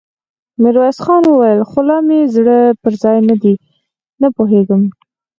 ميرويس خان وويل: خو لا مې زړه پر ځای نه دی، نه پوهېږم!